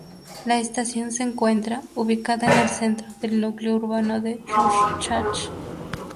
La estación se encuentra ubicada en el centro del núcleo urbano de Rorschach.